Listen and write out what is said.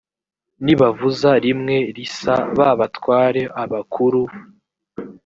nibavuza rimwe risa ba batware abakuru